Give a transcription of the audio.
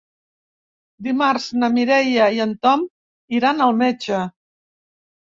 Dimarts na Mireia i en Tom iran al metge.